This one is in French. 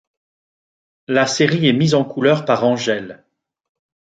La série est mise en couleur par Angèle.